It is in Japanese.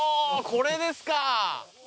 これですか！